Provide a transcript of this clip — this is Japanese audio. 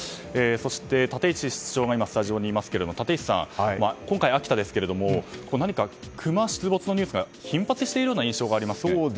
そして、立石室長もスタジオにいますが立石さん、今回秋田ですが何かクマ出没のニュースが頻発しているような印象がありますね。